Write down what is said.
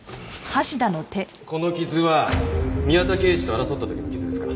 この傷は宮田刑事と争った時の傷ですか？